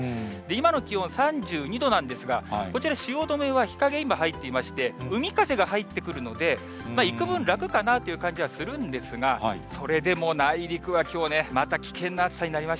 今の気温、３２度なんですが、こちら汐留は日陰、今、入っていまして、海風が入ってくるので、いくぶん楽かなという感じはするんですが、それでも内陸はきょうね、４０度。